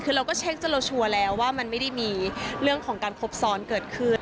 คือเราก็เช็คจนเราชัวร์แล้วว่ามันไม่ได้มีเรื่องของการครบซ้อนเกิดขึ้น